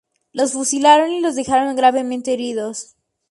Los fusilaron y los dejaron gravemente heridos.